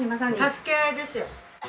助け合いですよ。